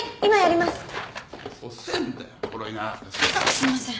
すいません。